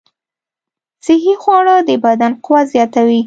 صحي خواړه د بدن قوت زیاتوي.